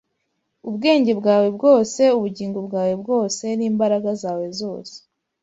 ubwenge bwawe bwose ubugingo bwawe bwose n’imbaraga zawe zose